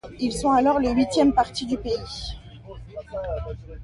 Ils sont alors le huitième parti du pays.